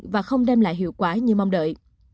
và không đem lại hiệu quả như mong đợi